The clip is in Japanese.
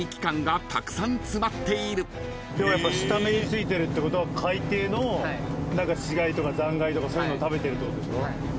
下めに付いてるってことは海底の死骸とか残骸とかそういうのを食べてるってことでしょ。